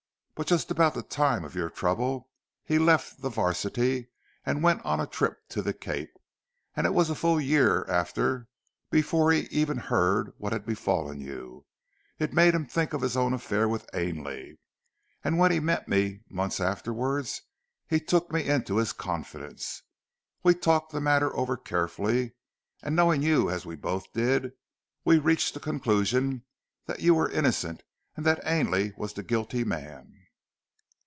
But just about the time of your trouble he left the 'Varsity and went on a trip to the Cape, and it was a full year after before he even heard what had befallen you. It made him think of his own affair with Ainley, and when he met me months afterwards he took me into his confidence. We talked the matter over carefully, and knowing you as we both did, we reached the conclusion that you were innocent and that Ainley was the guilty man."